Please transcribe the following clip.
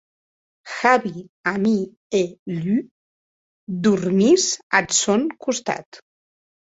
Javi amie e Lu dormís ath sòn costat.